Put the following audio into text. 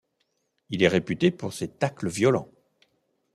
Il est réputé pour ses tacles violents.